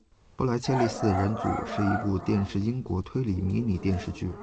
布莱切利四人组是一部电视英国推理迷你电视剧。